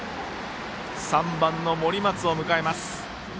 ３番の森松を迎えます。